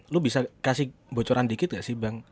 lo bisa kasih bocoran dikit gak sih bang